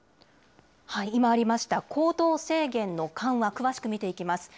今ありました、行動制限の緩和、詳しく見ていきます。